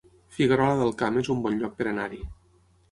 Figuerola del Camp es un bon lloc per anar-hi